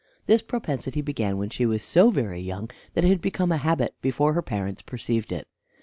This propensity began when she was so very young that it had become a habit before her parents perceived it.